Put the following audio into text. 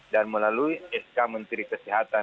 dan melalui sk menteri kesehatan